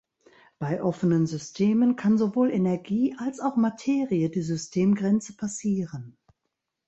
Bei offenen Systemen kann sowohl Energie als auch Materie die Systemgrenze passieren.